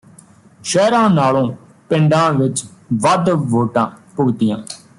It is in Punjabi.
ਸ਼ਹਿਰਾਂ ਨਾਲੋਂ ਪਿੰਡਾਂ ਵਿੱਚ ਵੱਧ ਵੋਟਾਂ ਭੁਗਤੀਆਂ